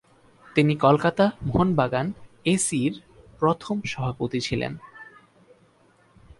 তিনি কলকাতা মোহনবাগান এসি-র প্রথম সভাপতি ছিলেন।